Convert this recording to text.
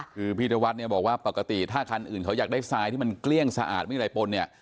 คือพี่ธวัฒน์เนี่ยบอกว่าปกติถ้าคันอื่นเขาอยากได้ทรายที่มันเกลี้ยงสะอาดไม่มีอะไรปนเนี่ย